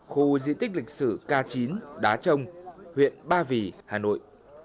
khu di tích lịch sử k chín đá trông huyện ba vì hà nội